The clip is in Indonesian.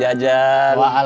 lainnya semua karid